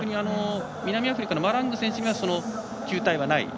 南アフリカのマラング選手がその球体がない。